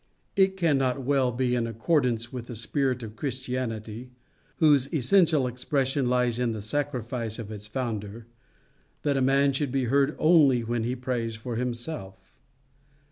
It cannot well be in accordance with the spirit of Christianity, whose essential expression lies in the sacrifice of its founder, that a man should be heard only when he prays for himself.